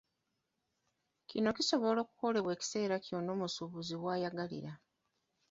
Kino kisobola okukolebwa ekiseera kyonna omusuubuzi w'ayagalira.